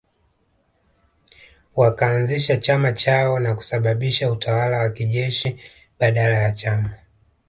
Wakaanzisha chama chao na kusababisha utawala wa kijeshi badala ya chama